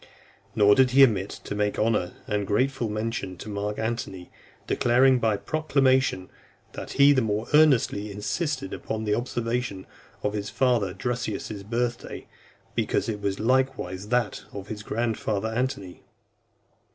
Nor did he omit to make honourable and grateful mention of Mark Antony; declaring by a proclamation, "That he the more earnestly insisted upon the observation of his father Drusus's birth day, because it was likewise that of his grandfather Antony."